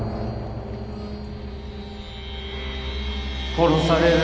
殺される！